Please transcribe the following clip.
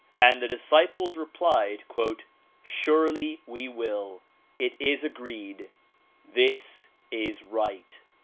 All the disciples replied "Surely we will, — it is agreed ; this is right.